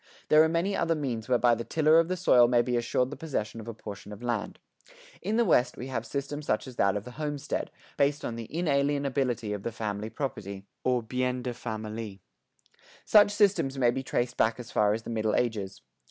There are many other means whereby the tiller of the soil may be assured the possession of a portion of land. In the West we have systems such as that of the homestead, based on the inalienability of the family property (bien de famille). Such systems may be traced back as far as the Middle Ages.